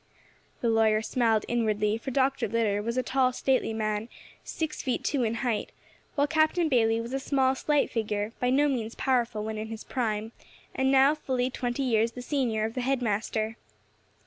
The lawyer smiled inwardly, for Dr. Litter was a tall, stately man, six feet two in height, while Captain Bayley was a small, slight figure, by no means powerful when in his prime, and now fully twenty years the senior of the head master.